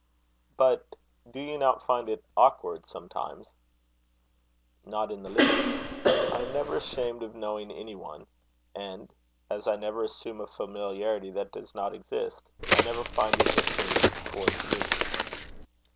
"But do you not find it awkward sometimes?" "Not in the least. I am never ashamed of knowing any one; and as I never assume a familiarity that does not exist, I never find it assumed towards me."